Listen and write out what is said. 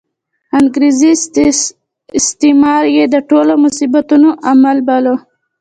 انګریزي استعمار یې د ټولو مصیبتونو عامل باله.